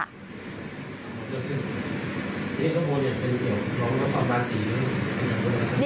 นี่ข้างบนเป็นเหตุของรถความบาดสี